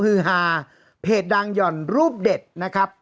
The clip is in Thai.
ฮือฮาเพจดังหย่อนรูปเด็ดนะครับ